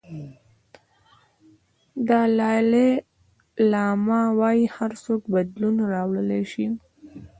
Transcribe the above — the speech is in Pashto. دالای لاما وایي هر څوک بدلون راوړلی شي.